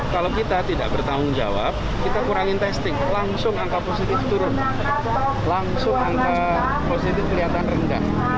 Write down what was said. kalau kita tidak bertanggung jawab kita kurangin testing langsung angka positif turun langsung angka positif kelihatan rendah